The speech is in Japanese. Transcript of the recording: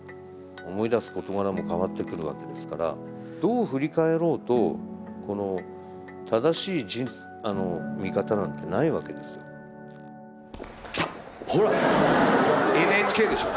思い出す事柄も変わってくるわけですからどう振り返ろうと正しい見方なんてないわけですよ。来たっ！